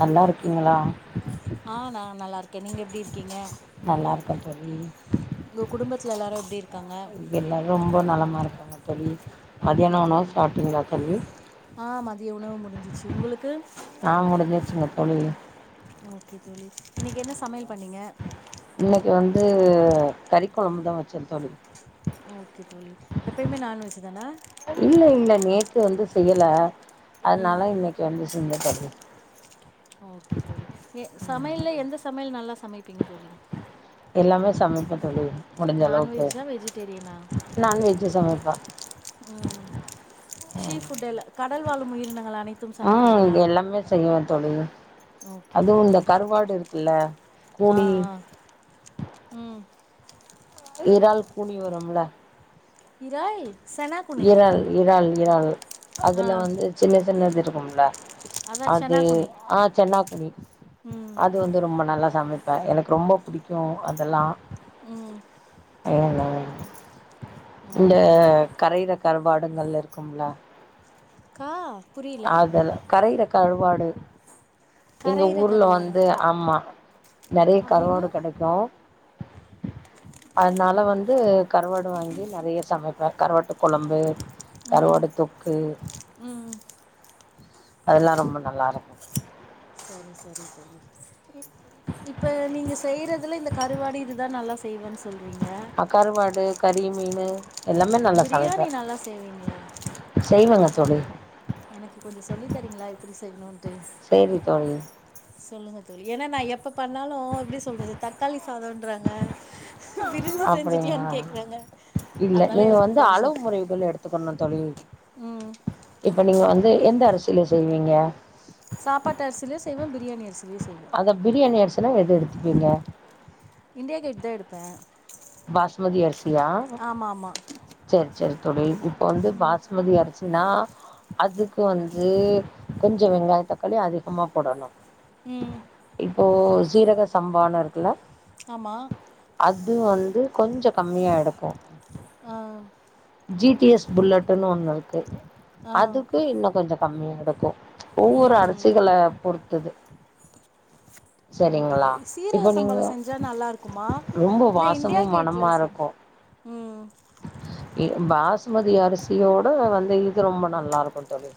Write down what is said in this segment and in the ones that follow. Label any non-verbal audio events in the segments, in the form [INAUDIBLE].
நல்லா இருக்கீங்களா ஆ நா நல்லா இருக்கே நீங்க எப்படி இருக்கீங்க நல்லாருக்கோ தோழி உங்க குடும்பத்துல எல்லாரும் எப்படி இருக்காங்க எல்லாரும் ரொம்ப [UNINTELLIGIBLE] தோழி ஓகே மதியானம் உணவு தோலி சாப்பிட்டீங்களா தோழி ஆ மதிய உணவு முடிஞ்சிச்சு உங்களுக்கு நான் முடிஞ்சிருச்சுங்க தோழி ஓகே தோழி இன்னிக்கு என்ன சமையல் பண்ணீங்க இன்னைக்கு வந்து கறி கொழம்புதான் வெச்சன் தோழி [UNINTELLIGIBLE] தனா இல்ல இல்ல நேத்து வந்து செய்யல ம் அதனால இன்னைக்கு வந்து சென் தோழி ஓகே தோழி சமையல்ல எந்த சமையல் நல்லா சமைப்பீங்க தோழி எல்லாமே சமைப்ப தோழி முடிஞ்சளவுக்கு நான்வெஜ்ஜா வெஜிடேரியனா ஓகே நான்வெஜ் சம [UNINTELLIGIBLE] ம் சீ ஃபுட எல்லா கடல் வாழும் உயிரினங்கள ஆ எல்லாமே செய்வ தோழி ஓகே அதுவு தோழி இந்த கருவாடு இருக்குல்ல ஆ கூலி ஆ ம் இறால் கூனி வரும்ல இரால் இறால் இறால் இறால் ஆ அதுல வந்து சின்ன சின்னது இரு கும்ல அதா அது செனாகுனி ஆ சென்னாக்குன்னி ம் அது வந்து ரொம்ப நல்லா சமைப்ப எனக்கு ரொம்ப புடிக்கு அதெல்லா ம் [UNINTELLIGIBLE] இந்த ஓகே தோழி கரையிற கருவாடுங்கள் இருக்கும்ல கா புரியல அதெல்லா கரையில கர்வாடு எங்க கரையிற ஊர்ல கடுவாடா வந்து அமா நறைய அப்டின்னா கருவோடு கடைக்கு அதனால வந்து கருவாடு வாங்கி நெறைய சமைப்ப கருவா ட்டு கொழம்பு ம் கருவாடு தொக்கு ம் அதல்லா ரொம்ப நல்லாருக்கு சரி சரி ச இப்ப நீங்க செய்றதுல இந்த கருவாடு இதுதா நல்லா செய்வனு அ கருவாடு கறி மீனு எல்லாமே நல்ல பிரியாணி சமைப்ப நல்லா செய்வீங்களா செய்வங்க தோழி எனக்கு கொஞ்சோ சொல்லி தரீங்களா எப்டி செய்யணுட்டு சேரி தோழி சொல்லுங்க தோழி ஏனா நா எப்ப பண்ணாலு எப்டி சொல்றது தக்காளி சாதோன்றாங்க பிரிஞ்சு அப்டிங்களா செஞ்சுட்டியான்னு கேக்குறாங்க இல்ல அதனால நீங்க எனக்கு வந்து கொஞ்சோ அளவு முறைவுகள் எடுத்துக்கணு தோழி ம் இப்ப நீங்க வந்து எந்த அரிசில செய்வீங்க சாப்பாட்டு அரிசிலயு செய்வே பிரியாணி அரிசி அதா பிரியாணி அரிசி சினா எது எடுத்துப்பீங்க இண்டியா கேட் தா எடுப்பே பாஸ்மதி அரிச் சியா ஆமா ஆமா சர் சர் தோழி இப்போ வந்து ம் பாஸ்மதி அரிசினா அதுக்கு வந்து கொஞ்சொ வெங்காயொ தக்காளி அதிகமா போடணு ம் போ சீரக சம்பானு இருக்குல ஆமா அது வந் து கொஞ்சோ கம்மியா எடுக்கு ஆ ஜி டி எஸ் புல்லட்டுனு ஒன்னு இருக்கு ஆ அதுக்கு இன்னு கொஞ்சோ கம்மியா எடுக்கு ஒவ்வொரு ம் ம் அரிசிகள பொறுத்தது ஓகே சரிங்களா தோழி சீரக இப்போ நீங்க சம்பால செஞ்சா நல்லா இருக்குமா ரொம்ப இல்ல இ ண்டியா வாசமும் கேட்ல மணமா செஞ்சு ம் க பாஸ்மதி அரிசியோட வந்து இது ரொம்ப நல்லா இருக்கு தோழி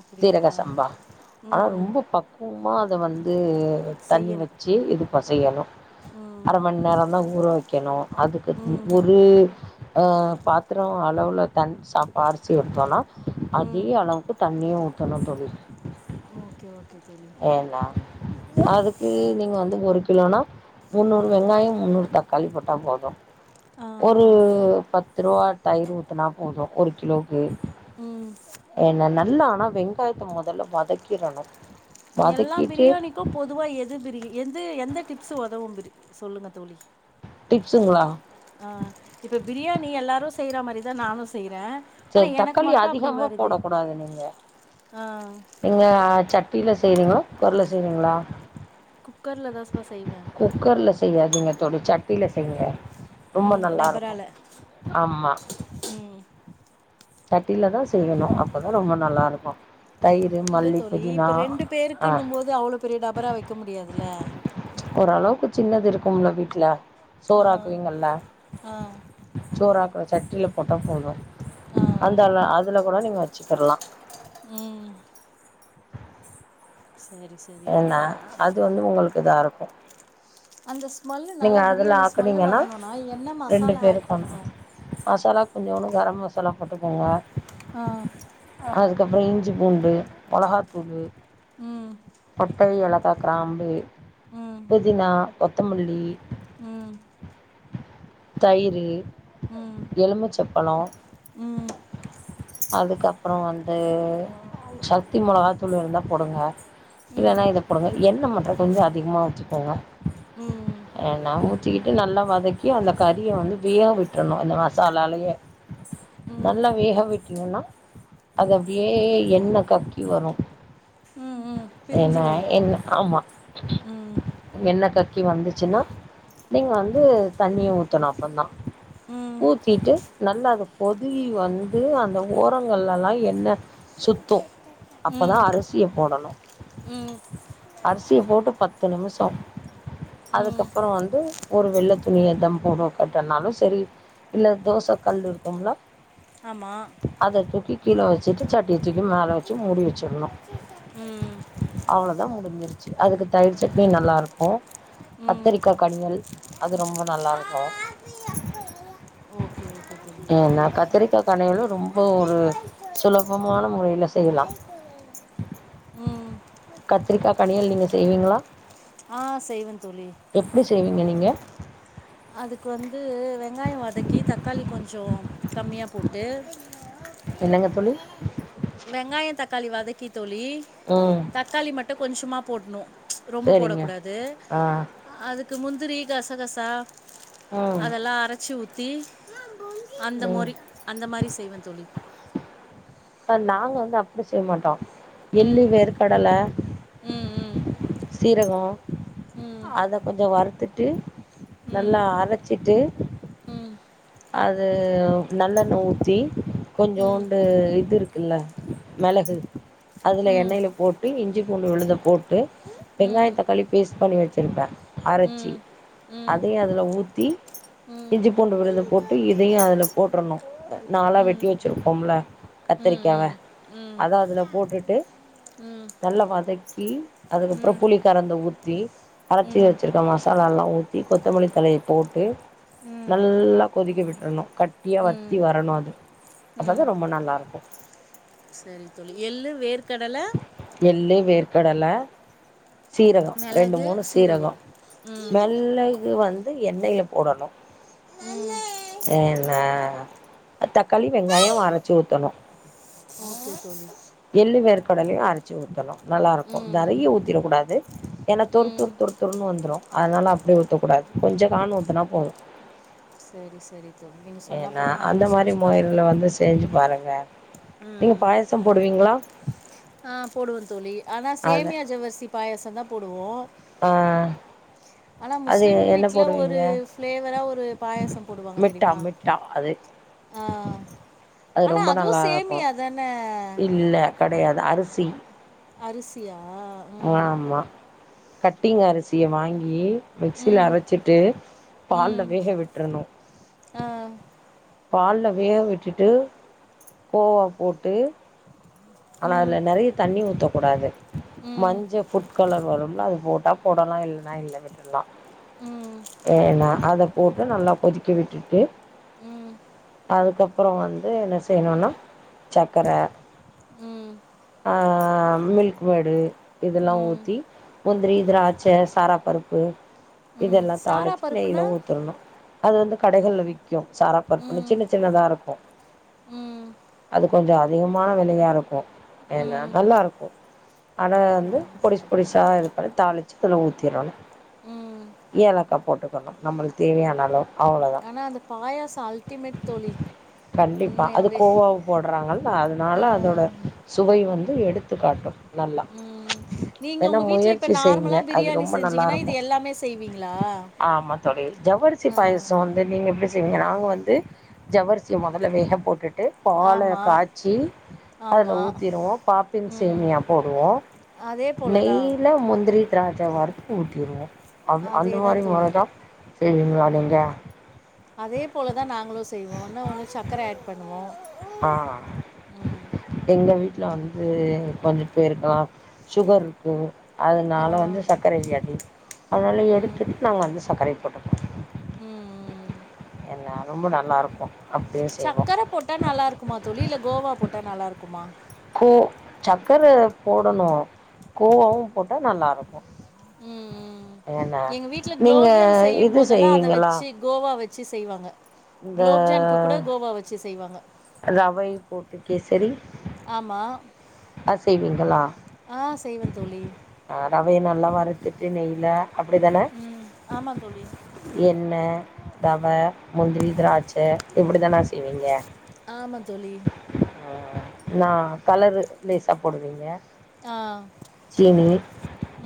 அப்டியா சீரக சம்பா ஆனா ம் ரொம்ப பக்குவொ மாதவன் இது தண்ணி செய்யணு வச்சு இது ப செய்யணு ம் அர மணி நேரந்தா ஊற வக் கணு அதுக்கு ம் ஒரு ஆ பாத்ரோ அளவுல தன் சாப் அரிசி ஊத்தனோ அதிக ம் அளவுக்கு தண்ணி ஊத் தணு தோழி ஓகே ஓகே தோழி ஏனா அதுக்கு நீங்க வந்து ஒரு கிலோனா முன்னூறு வெங்காய முன்னூறு தக் காலி போட்டா போதொ ஆ ஒரு பத்து ரூவா தயிர் ஊத்துனா போது ஒரு கிலோ ம் ம் என்ன நல்லா ஆனா வெங்காயத்த மொதல்ல வதக்கிரனு எல்லா பிரியாணிக்கு பொதுவா எது பிரி எது எந்த டிப்ஸ்ஸு ஒதவு பிரி சொல்லுங்க தோழி டிப்ஸுங்ளா ஆஹ் இப்ப பிரியாணி எல்லாரு செய்ற மாரிதா நானு செய்றே ஆனா செரி எனக்கு தக்காளி மட்டு அப்டி அதிகமா வருது போடக்கூடாது நீங்க ஆ நீங்க சட் ட்டீல செய்வீங்களா குக்கர்ல செய்வீங்களா குக்கர்ல தாஸ்ப்பா செய்வே செய்யாதீங்க தொழி சட்டியில செய்ங்க ரொம்ப ம் நல்லாருக்கு டபரால ஆமா ம் சட்டில தா செய்யணு அப்பதா ரொம்ப நல்லாருக்கு இல்ல தோழி இப்ப ரெண்டு ஆ பேருக்குன்னும்போது அவ்வளோ பெரிய டபரா வைக்க முடியாதுல்ல ஓரளவுக்கு சின்னது இருக்கும்ல வீட்ல ஆ சோறாக்குவிங்கல்ல ஆ சோறாக் ஒ சட்டில போட்டா போது ஆ அந்தால அதுல கூட நீங்க வ ச்சுக்கிட்லா உம் சரி ஏன்னா தோழி அது வந்து உங்களுக் இதாருக்கு இந்தச் ஸ்மெல்லு நல்லா பிரியாணி ஸ்மெல்லு வரணுனா என்ன ரெண்டு மசாலா ஆட் பேருக்கும் பண்ணணு மசாலா கொஞ்சோனு கரம் மசாலா போட்டுக்கோங்க ஆஹ் அதுக்கப்பற இஞ்சி பூண்டு மொளகாத்தூளு ம் பட்டை ஏலக்கா கிராம்பு ம் புதினா கொத்தமல் இ ம் தயிரு ம் எலும்மிச்சப்பழொ ம் அதுக்கப்ரோ வந்து சக்தி மிளகா தூள் இருந்தா போடுங்க இல்னா ம் இத போடுங்க என்ன மட் கொஞ்சொ அதிகமா வச்சிக்கோங்க என்ன உ வச்சிக்கிட்டு நல்லா வதக்கி அந்த கறியை வந்து விய விட்டறணு அந்த மசாலாலயே ம் நல்லா வேகவிட்டிங்கண்ணா அத அப்டியே எண்ண கக்கி வரோ ம் ம் என்ன பிரிஞ்சு வரு என்ன ஆமா ம் என்ன கக் கக்கி வந்துச்சுன்னா நீங்க வந்து தண்ணிய ஊத்தணொ அப்ப தா ம் ஊத்திட்டு நல்லா அத பொதுவி வந்து அந்த ஓரங்கள்லல்லா என்ன சுத்து ம் அப்பதா ம் அரசிய போடணு அரிசிய போட்டு பத்து நிமிஷொம் ம் அதுக்கப்புறோ வந்து ஒரு வெள்ள துணில தம் போட கட்டனாலு சரி இல்ல தோச கல் இருக்கும்லா ஆமா அததூக்கி கீழ வச்சிட்டு சட்டிய தூக்கி மேலே வச்சி மூடி வச்சிரனு ம் அவ்ளதா முடிஞ்சிருச்சி அதுக்கு தயிர் சட்னி நல்லாருக்கோ ம் கத்திரிக்கா கனியள் அது ரொம்ப நல்லா இருக்கொ ஓகே ஓகே தோழி ஏன கத்திரிக்கா கனியளு ரொம் இப்ப ஒரு சுலபமான முறையில செய்யலா ம் கத்திரிக்கா கனியல் நீங்க செய்வீங்களா ஆஹ் செய்வன் தோழி ங்க அதுக்கு வந்து வெங்காயோ வதக்கி தக்காளி கொஞ்சோ கம்மியா போட்டு என்னங்க தோழி வெங்காயோ தக்காளி வாதக் தோழி ம் தக்காளி மட்டோ கொஞ்சமா போட்ணோ ச்சு ரொம்ப போட சரிங்க கூடாது ஆ அதுக் த்து முந்திர கச கசா ம் அதெல்லா அரைச்சு ஊத் தி அந்த ம் மொரி அந்த மாரி செய்வ தோழி பா நாங்க வந்து அப்டி செய் மாட்டோ எள்ளு ம் வேர்கடல ம் ம் சீரகோ ம் அத கொஞ்சோ வறுத்துட்டு ம் நல்லா அரைச்சிட்டு அது நல்லெண்ண ஊத்தி ம் கொஞ்சோண்டு இது இருக்குல்ல மிளகு அதுல ம் ம் எண்ணெயில போட்டு இஞ்சி பூண்டு விழுத போட்டு ம் வெங்காய ம் தக்காளி பேஸ்ட் பண்ணி வச்சிருப்பேன் அரைச்சி அதையும் அதுல ஊத்தி ம் இஞ்சி பூண்டு விழுத போட்டு இதையும் அதில் போட்டுடணும் நாலா ம் ம் வெட்டி வச்சுருக்கோம்ல ம் கத்திரிக்காவை ம் ம் அதை அதில் போட்டுட்டு ம் நல்லா வதக்கி அதுக்கப்புறோ புளி கரந்த ஊத்தி அரைச்சி ம் ம் வச்சுருக்க மசாலல்லா ஊத்தி கொத்தமல்லி தலையை போட்டு நல்லா கொதிக்கி விட்டுணும் கட்டியா ம் வத்தி வரணும் அது அப்பதான் ரொம்ப நல்லா இருக்கும் செரி தோழி எள்ளு வேற்க எள்ளு வேர் கடல்ல சீரகம் ரெண்டு மூணு சீரகம் ம் மெல்ளகு வந்து வந்து எண்ணெயில போடணும் ம் எண்ண தக்காளி வெங்காயம் அரைச்சு ஊத்தணும் [UNINTELLIGIBLE] தோழி கடலையும் அரைச்சு ஊத்தணும் நல்லா இருக்கும் ம் நெறைய ஊத் த்திடக்கூடாது ஏன்னா தொரு ம் துரு துருன்னு வந்துரும் அதனால அப்படி ஊத்தக்கூடாது கொஞ்சம் காணு ஊத்துனா போதும் செரி செரி தோழி நீங்க சொன்னப்போலையே நானும் செஞ்சு பாக்குறேன் வரங்க நீங்க பாயசம் போடுவீங்களா ஆஹ் போடுவேன் தோழி ஆனா சேமியா ஜவ்வர்சி பாயசம் தான் போடுவோம் ஆஹ் ஆனா முஸ்லிம் வீட்டுல ஒரு ப்பிளேவரா ஒரு பாயசம் போடுவாங்க மிட்டா தெரியுமா மிட்டா அது ஆஹ் அது ஆனா ரொம்ப அதுவும் சேமியா தான கிடையாது அரிசி அரிசியா ம் ஆமா கட்டிங் அரிசிய வாங்கி மிக்சில ம் அரைச்சிட்டு பால்ல ம் வேக விட்டுரணும் ஆ பால்ல வேக விட்டுட்டு கோவா போட்டு ஆனா ம் அதுல நெறைய தண்ணி ஊத்த கூடாது ம் மஞ்ச ஃபுட் கலர் வரும்ல அது போட்டா போடலாம் இல்லைன்னா இல்லை விட்டல்லாம் ம் ஏன்னா அதை போட்டு நல்லா கொதிக்கி விட்டுட்டு ம் அதுக்கப்புறம் வந்து என்ன செய்யணும்னா சக்கரை ம் ஆ மில்க் மேடு இதெல்லாம் ம் ஊத்தி முந்திரி திராட்சை சாராப்பருப்பு ம் இதெல்லாம் சாரா தாளிச்சு நெய்யில பருப்புனா ஊத்துரணும் அது வந்து கடைகள்ல விற்கும் சாராப்பருப்பு ஒன்று ம் சின்ன சின்னதாக இருக்கும் ம் அது கொஞ்சம் அதிகமான விலையா இருக்கும் ஏன்ன ம் நல்லாருக்கும் ஆனா வந்து பொடிசு பொடிசாக இது பண்ணி தாளிச்சு அதில் ஊற்றிடணும் ம் ஏலக்காய் போட்டுக்கணும் நம்மளுக்கு தேவையான அளவு ஆனா அந்த பாயச அல் கண்டிப்பா அது கோவாவ போடுறாங்கா அதனால ஆ அதோட சுவை வந்து எடுத்து காட்டும் நல்லா ம் நீங்க ஏன்னா உங்க வீட்ல இப்ப முயற்சி செய்யுங்க நார்மலா அது பிரியாணி ரொம்ப நல்லா செஞ்சீங்கன்னா இது இருக்கும் எல்லாமே செய்வீங்களா? ஆமா தோழி ஜவ்வரிசி ஆ பாயசம் வந்து நீங்க எப்படி [UNINTELLIGIBLE] ஆமா வந்து ஜவ்வரிசியை முதல்ல வேக போட்டுட்டு பாலை ஆமா காய்ச்சி அதில ஆமா. ஊத்திருவோம் பாப்பின் ம். சேமியா போடுவோம் அதே போல தான். நெய்ல முந்திரி திராட்சி இத வரத்து ஊட்டிடுவோம் ஆ அந்த அதே தான் மாரி தோழி. மரதான் செய்வீங்கள நீங்க அதே போலதான் நாங்களும் செய்வோம் ஆன்னா ஒண்ணும் சர்க்கரை ஆட் பண்ணுவோம் ம். வீல வந்து கொஞ்சம் போய இருக்கலாம் சுகர் இருக்கு ஆ. அதனால வந்து சர்க்கரை வியாதீ அதனால ம். எடுத்துட்டு நாங்க வந்து சர்க்கரை போட்டுக்கோம் ம். என்ன ரொம்ப நல்லா இருக்கும் அப்படியே செய்வோம் போட்ட நல்லா இருக்குமா தோழி இல்ல கோவா போட்டா நல்லா இருக்குமா சக்கரை போடணும் கோவாவும் போட்டா நல்லா இருக்கும் ம். ம். எங்க வீட்ல குலோப்ஜன் செய்யும் போதெல்லாம் அதை செய்வீங்களா வச்சு கோவா வச்சு வச்சு செய்வாங்க இந்த குலோப்ஜான்கு கூட கோவா வச்சு செய்வாங்க ரவை போட்டுக்கே சரி ஆமா அ செய்வீங்களா ஆ செய்வேன் தோழி. ஆ ரவைய நல்லா வறுத்துட்டு நெய்ல அப்படி தானே ம். ஆமா தோழி. என்ன ரவை முந்திரி திராட்சை இப்படிதானா செய்வீங்க ஆமா தோழி நான் கலரு லேஸா போடுவீங்க ஆ சீனி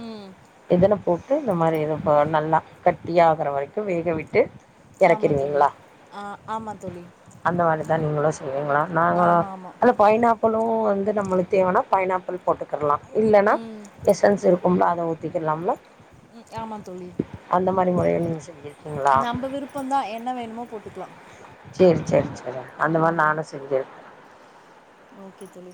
ம். எதன போட்டு இந்த மாரி இதுப்ப நல்லா கட்டியாக ஆகுற வரைக்கும் வேகவிட்டு ஆமா தோழி ஆஹ் ஆமா தோழி [UNINTELLIGIBLE] இல்லைங்களா நாங்கள ஆமா, ஆமா. அ பைனா ப்பளவும் வந்து நம்மளுக்கு தேவைானா பைனாப்பிள் போட்டுக்கிறலாம் இல்லைன்னா ம். எசன்ஸ் இருக்கும் ரொம்ப அத ஊத்திக்கிடலாம்ல உம் ஆம தோழி வச்சிருக்கீ நம்ம விருப்பம் தான் என்ன வேணுமோ போட்டுக்கலாம் செரி செரி செ அந்த மாரி நானும் செஞ்சேன் ஓகே தோழி